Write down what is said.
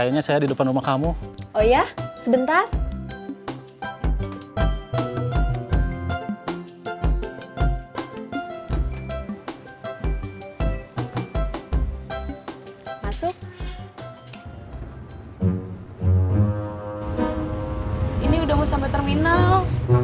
ini udah mau sampai terminal